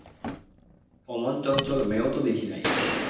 অমন চঞ্চল মেয়েও তো দেখি নাই।